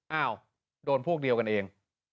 อ้าวโดนพวกเดียวกันเอง